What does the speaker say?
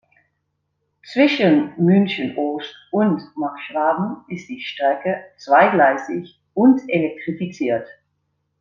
Zwischen München Ost und Markt Schwaben ist die Strecke zweigleisig und elektrifiziert.